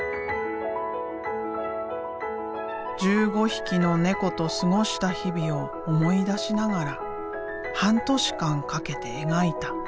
１５匹の猫と過ごした日々を思い出しながら半年間かけて描いた。